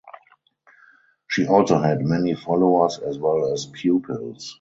She also had many followers as well as pupils.